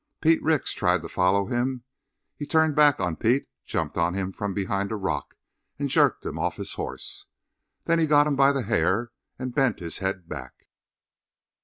Pete Ricks tried to follow him. He turned back on Pete, jumped on him from behind a rock, and jerked him off his horse. Then he got him by the hair and bent his head back.